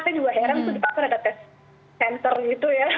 saya juga heran di pasar ada tes sensor gitu ya